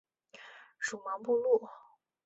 属茫部路。